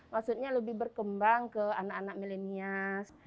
maksudnya lebih berkembang ke anak anak milenial